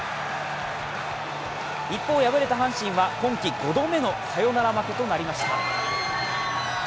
一方、敗れた阪神は今季５度目のサヨナラ負けとなりました。